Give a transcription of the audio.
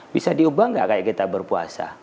bisa diubah nggak kayak kita berpuasa